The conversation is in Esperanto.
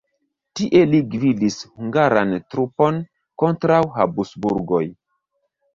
Tie li gvidis hungaran trupon kontraŭ Habsburgoj.